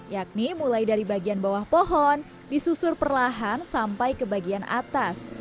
yakni mulai dari bagian bawah pohon disusur perlahan sampai ke bagian atas